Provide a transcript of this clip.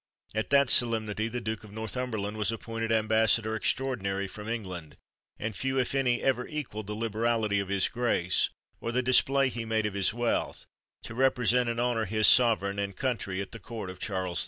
At that solemnity the Duke of Northumberland was appointed Ambassador Extraordinary from England, and few, if any, ever equalled the liberality of his Grace, or the display he made of his wealth, to represent and honour his sovereign and country at the court of Charles X.